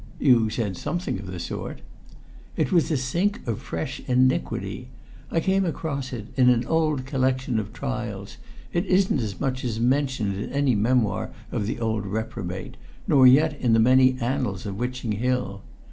"You said something of the sort." "It was a sink of fresh iniquity. I came across it in an old collection of trials; it isn't as much as mentioned in any memoir of the old reprobate, nor yet in the many annals of Witching Hill.